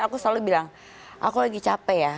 aku selalu bilang aku lagi capek ya